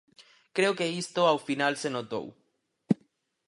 Creo que isto, ao final, se notou.